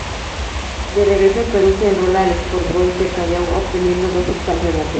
De regreso en Perú, se enrola al Sport Boys del Callao obteniendo dos sub-campeonatos.